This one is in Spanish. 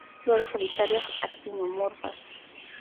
Flores solitarias, actinomorfas.